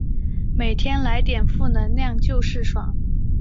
每天来点负能量就是爽